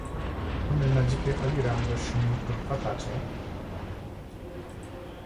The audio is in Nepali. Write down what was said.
ठमेल नजिकै अलि राम्रो स्विमिङ पुल कता छ?